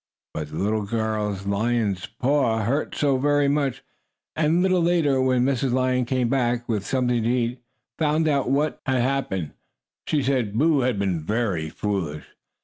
But the little girl lion's paw hurt her very much, and when a little later, Mrs. Lion came back, with something to eat, and found out what had happened, she said Boo had been very foolish.